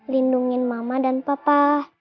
lindungin mama dan papa